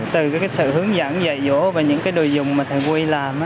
từ sự hướng dẫn dạy dỗ và những đồ dùng mà thầy quy làm